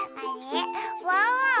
ワンワンは？